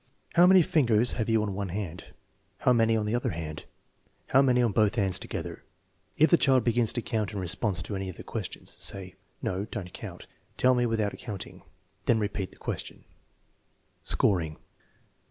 How many fingers have you on one hand ?'*"( How many on the other hand ?"" How many on both hands together ?" If the child begins to count in response to any of the questions, say: " No, don't count. Tell me without counting." Then repeat the question* Scoring.